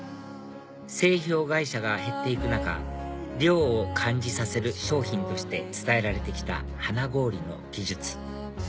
製氷会社が減っていく中涼を感じさせる商品として伝えられてきた花氷の技術